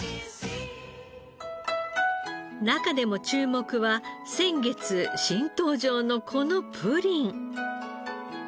中でも注目は先月新登場のこのプリン。